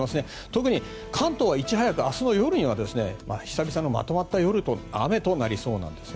特に関東は明日の夜には久々のまとまった雨となりそうです。